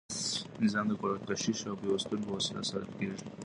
نظام د کشش او پیوستون په وسیله ساتل کیږي.